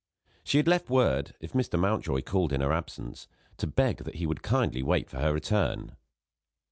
She had left word, if Mr. Mountjoy called in her absence, to beg that he would kindly wait for her return.